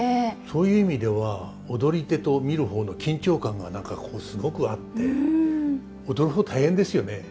そういう意味では踊り手と見る方の緊張感が何かこうすごくあって踊る方大変ですよね。